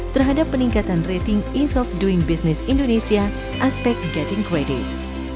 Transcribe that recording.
terhadap peningkatan rating ease of doing business indonesia aspek gutting credit